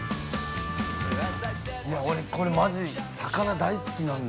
◆いや、俺、これ、マジ魚大好きなんで。